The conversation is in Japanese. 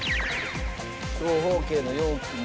長方形の容器に。